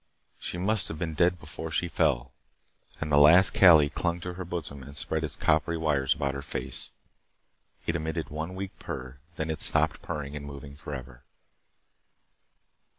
She must have been dead before she fell, and the last Kali clung to her bosom and spread its copper wires about her face. It emitted one weak purr then it stopped purring and moving forever.